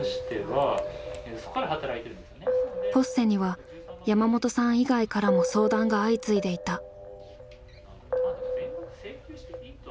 ＰＯＳＳＥには山本さん以外からも相談が相次いでいた。